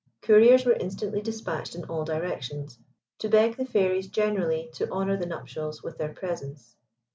Couriers were instantly dispatched in all directions, to beg the Fairies generally to honour the nuptials with their presence.